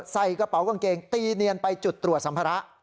ใส่กระเป๋ากางเกงตีเนียนไปจุดตรวจสัมภาระ